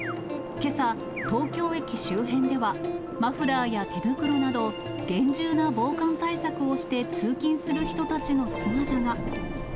けさ、東京駅周辺では、マフラーや手袋など、厳重な防寒対策をして通勤する人たちの姿が。